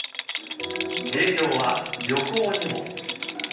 影響は旅行にも。